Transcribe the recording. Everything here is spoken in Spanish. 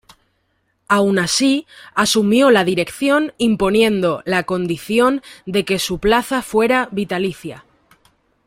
Aun así, asumió la dirección imponiendo la condición de que su plaza fuera vitalicia.